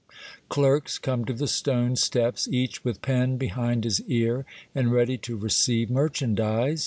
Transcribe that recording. Clerks come to the stone steps, each with pen be hind his ear, and ready to receive merchandise.